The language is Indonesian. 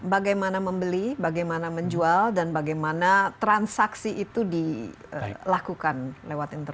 bagaimana membeli bagaimana menjual dan bagaimana transaksi itu dilakukan lewat internet